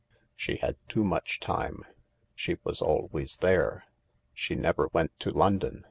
She had too much time — she was always there. She never went to London.